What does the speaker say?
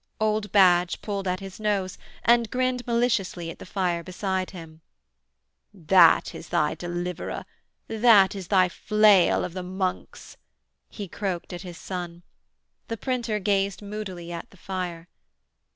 Old Badge pulled at his nose and grinned maliciously at the fire beside him. 'That is thy deliverer: that is thy flail of the monks,' he croaked at his son. The printer gazed moodily at the fire.